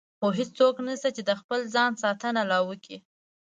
خو هېڅوک نشته چې د خپل ځان ساتنه لا وکړي.